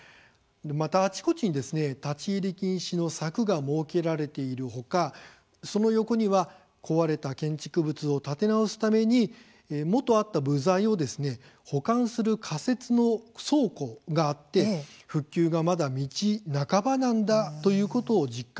また、あちこちに立ち入り禁止の柵が設けられているほかその横には壊れた建築物を建て直すためにもとあった部材を保管する仮設の倉庫があって復旧がまだ道半ばなんだということを実感します。